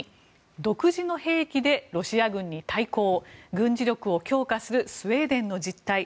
２独自の兵器でロシア軍に対抗軍事力を強化するスウェーデンの実態。